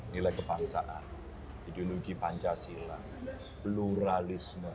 nilai kebangsaan ideologi pancasila pluralisme